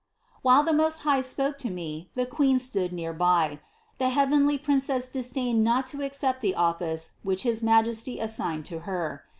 7. While the Most High spoke to me the Queen stood near by; and the heavenly Princess disdained not to ac cept the office which his Majesty assigned to Her.